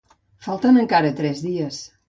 Falten encara tres dies.